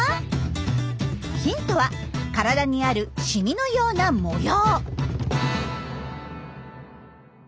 ヒントは体にあるシミのような模様。